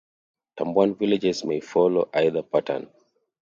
Tampuan villages may follow either pattern.